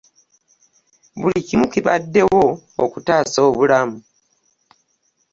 Buli kimu kibaddewo okutasa obulamu.